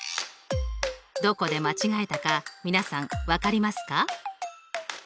どこで間違えたか皆さん分かりますか？